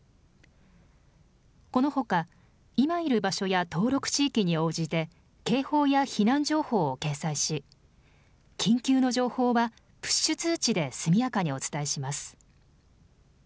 このほか今いる場所や登録地域に応じて警報や避難情報を掲載し緊急の情報はプッシュ通知で速やかにお伝えします。